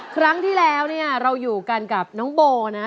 ครั้งที่แล้วเนี่ยเราอยู่กันกับน้องโบนะฮะ